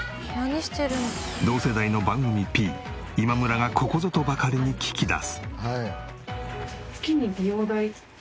同世代の番組Ｐ今村がここぞとばかりに聞き出す。